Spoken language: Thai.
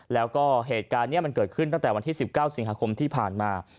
แล้วก็เหตุการณ์นี้มันเกิดขึ้นตั้งแต่วันที่๑๙สิงหาคมที่ผ่านมา